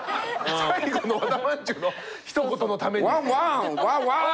最後の和田まんじゅうのひと言のために。